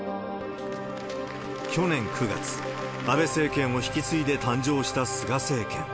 去年９月、安倍政権を引き継いで誕生した菅政権。